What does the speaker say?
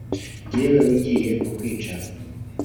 jyewe ugiye kukwica!»